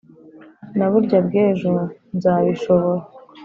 na burya bw’ejo nzabishobora